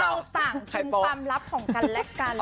เราต่างคุมความลับของกันและกัน